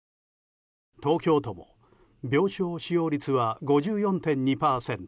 東京都も病床使用率は５４．２％。